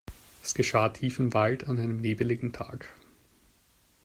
Es geschah tief im Wald an einem nebeligen Tag.